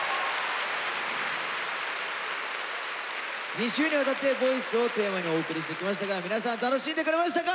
２週にわたって「ＶＯＩＣＥ」をテーマにお送りしてきましたが皆さん楽しんでくれましたか？